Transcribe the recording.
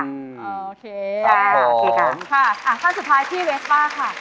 อ๋อโอเคอ๋อโอเคครับค่ะค่ะอ่ะขั้นสุดท้ายพี่เวสป้าค่ะ